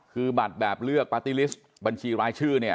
คือบัตรแบบเลือกปาร์ตี้ลิสต์บัญชีรายชื่อเนี่ย